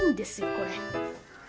これ。